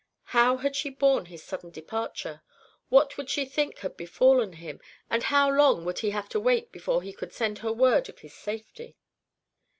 How had she borne his sudden departure? What would she think had befallen him, and how long would he have to wait before he could send her word of his safety?